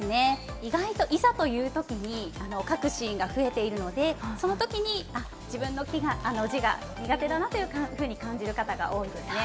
いざというときに書くシーンが増えているので、そのときに自分の字が苦手だなと感じる方が多いようですね。